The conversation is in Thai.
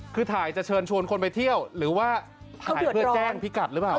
คือถ่ายจะเชิญชวนคนไปเที่ยวหรือว่าถ่ายเพื่อแจ้งพิกัดหรือเปล่า